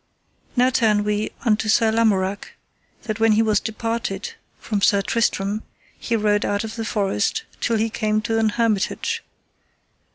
Now turn we unto Sir Lamorak, that when he was departed from Sir Tristram he rode out of the forest, till he came to an hermitage.